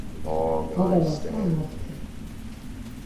Mogalasna moxti.